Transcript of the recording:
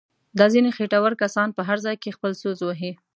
دا ځنیې خېټور کسان په هر ځای کې خپل څوس وهي.